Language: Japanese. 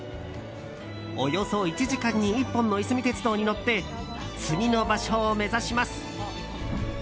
およそ１時間に１本のいすみ鉄道に乗って次の場所を目指します。